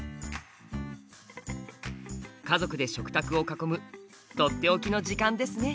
家族で食卓を囲むとっておきの時間ですね。